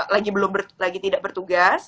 lagi belum lagi tidak bertugas